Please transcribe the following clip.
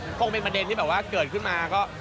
พวกมันเป็นประเด็นที่เกิดขึ้นมาก็